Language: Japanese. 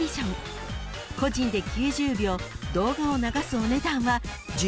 ［個人で９０秒動画を流すお値段は］